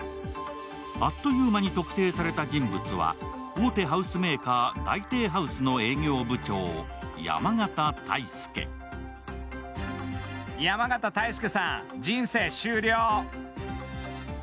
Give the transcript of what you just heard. あっという間に特定された人物は大手ハウスメーカー・大帝ハウスの営業部長・山縣泰介。